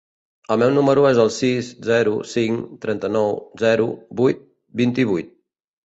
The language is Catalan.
El meu número es el sis, zero, cinc, trenta-nou, zero, vuit, vint-i-vuit.